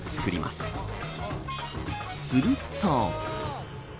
すると。